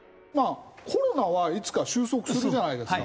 コロナはいつか収束するじゃないですか。